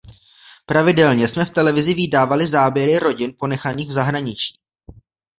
Pravidelně jsme v televizi vídávali záběry rodin ponechaných v zahraničí.